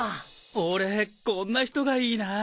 オレこんな人がいいな。